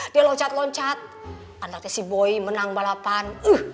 dia loncat loncat anaknya si boy menang balapan